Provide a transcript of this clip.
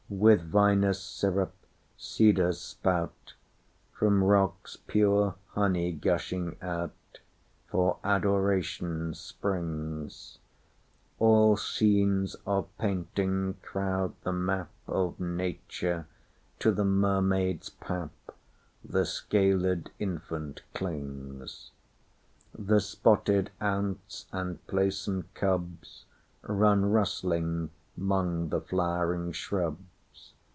With vinous syrup cedars spout; From rocks pure honey gushing out, For Adoration springs:All scenes of painting crowd the mapOf nature; to the mermaid's papThe scalèd infant clings. The spotted ounce and playsome cubsRun rustling 'mong the flowering shrubs.